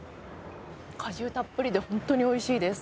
果汁たっぷりで本当においしいです。